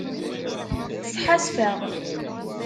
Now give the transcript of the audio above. Sḥasfeɣ.